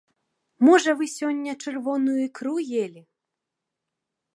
Можа вы сёння чырвоную ікру елі?